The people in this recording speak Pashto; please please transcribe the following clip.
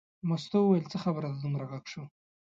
مستو وویل څه خبره ده دومره غږ شو.